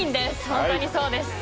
本当にそうです。